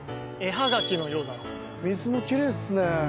水もきれいですね。